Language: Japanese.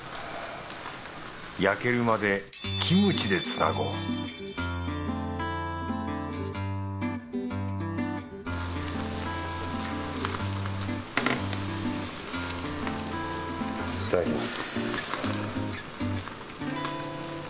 焼けるまでキムチでつなごういただきます。